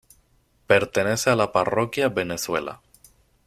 Pertenece a la Parroquia Venezuela.